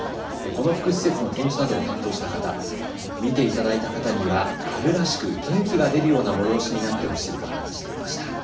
この福祉施設の展示などを担当した方、見ていただいた方には春らしく元気が出るような催しになってほしいと話していました。